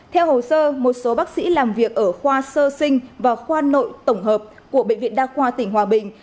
theo hồ sơ một số bác sĩ làm việc ở khoa sơ sinh và khoa nội tổng hợp của bệnh viện đa khoa tỉnh hòa bình